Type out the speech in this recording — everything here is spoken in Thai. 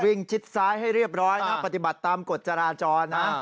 ชิดซ้ายให้เรียบร้อยนะปฏิบัติตามกฎจราจรนะ